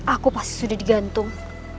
aku pasti sudah digantung